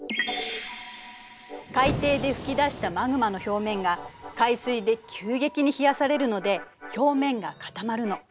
海底で噴き出したマグマの表面が海水で急激に冷やされるので表面が固まるの。